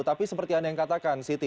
tapi seperti anda yang katakan siti